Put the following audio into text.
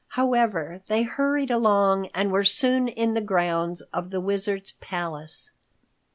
However, they hurried along and were soon in the grounds of the Wizards palace.